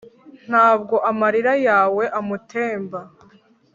Ntabwo amarira yawe amutemba